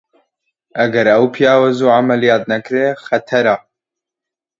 ئەگەر ئەو پیاوە زوو عەمەلیات نەکرێ خەتەرە!